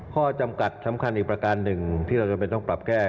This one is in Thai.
ข้อจำกัดสำคัญอีกประการหนึ่งที่เราจำเป็นต้องปรับแก้